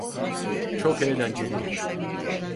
Çok eğlencelidir.